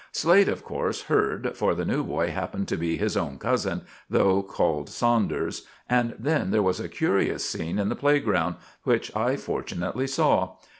Slade, of course, heard, for the new boy happened to be his own cousin, though called Saunders; and then there was a curious scene in the playground, which I fortunately saw.